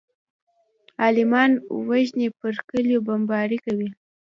عالمان وژني پر کليو بمبارۍ کوي.